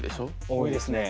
多いですね。